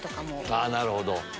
あなるほど。